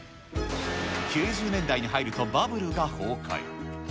９０年代に入るとバブルが崩壊。